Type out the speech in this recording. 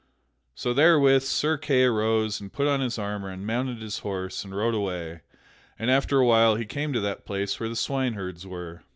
So therewith Sir Kay arose and put on his armor and mounted his horse and rode away; and after a while he came to that place where the swineherds were.